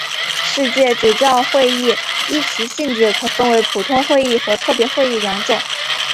世界主教会议依其性质可分为普通会议和特别会议两种。